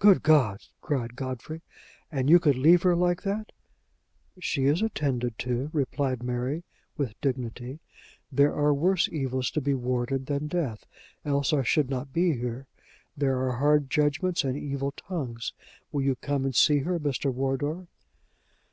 "Good God!" cried Godfrey. "And you could leave her like that!" "She is attended to," replied Mary, with dignity. "There are worse evils to be warded than death, else I should not be here; there are hard judgments and evil tongues. Will you come and see her, Mr. Wardour?"